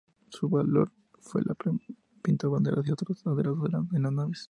Su labor fue la de pintor de banderas y otros aderezos en las naves.